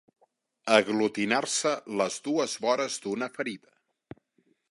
Aglutinar-se les dues vores d'una ferida.